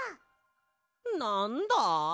なんだ？